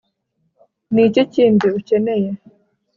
ni iki kindi ukeneye